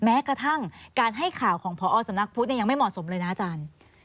แม้กระทั่งการให้ข่าวของพอสำนักพุทธยังไม่เหมาะสมเลยนะอาจารย์